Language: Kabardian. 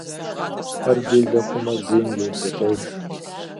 Хьэр делэ хъумэ зейм йодзэкъэж.